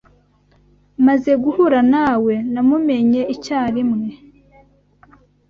Maze guhura nawe, namumenye icyarimwe.